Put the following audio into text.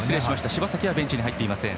柴崎はベンチに入っていません。